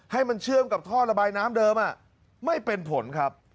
ให้มันเชื่อมกับท่อระบายน้ำเดิมไม่เป็นผลครับ